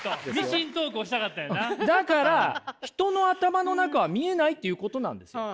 だから人の頭の中は見えないっていうことなんですよ。